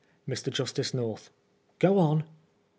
Mr. Justice North: GrO on.